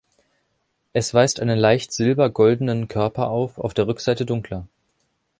Es weist einen leicht silber-goldenen Körper auf, auf der Rückseite dunkler.